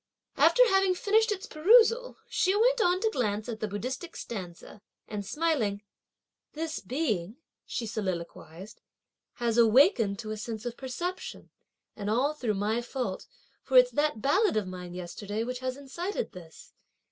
After having finished its perusal, she went on to glance at the Buddhistic stanza, and smiling: "This being," she soliloquised; "has awakened to a sense of perception; and all through my fault, for it's that ballad of mine yesterday which has incited this!